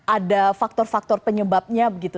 ada faktor faktor penyebabnya begitu